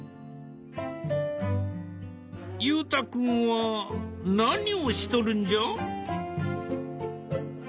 裕太君は何をしとるんじゃ？